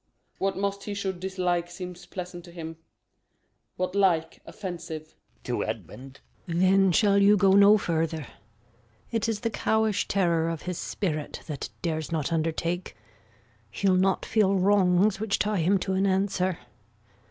What most he should dislike seems pleasant to him; What like, offensive. Gon. [to Edmund] Then shall you go no further. It is the cowish terror of his spirit, That dares not undertake. He'll not feel wrongs Which tie him to an answer.